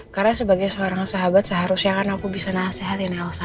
karena sebagai seorang sahabat seharusnya kan aku bisa nasehatin elsa